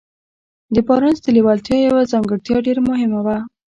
د بارنس د لېوالتیا يوه ځانګړتيا ډېره مهمه وه.